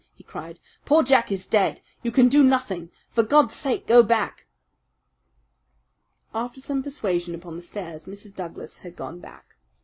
he cried. "Poor Jack is dead! You can do nothing. For God's sake, go back!" After some persuasion upon the stairs Mrs. Douglas had gone back.